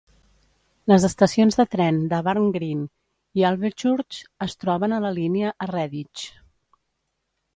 Les estacions de tren de Barnt Green i Alvechurch es troben a la línia a Redditch.